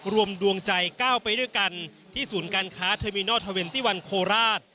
รวมดวงใจก้าวไปด้วยกันที่ศูนย์การค้าธรรมินอลท์๒๑โคราช